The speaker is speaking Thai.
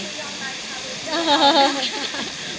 เอ๋ห่าห๊า